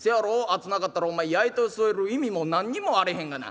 熱なかったらお前灸を据える意味も何にもあれへんがな」。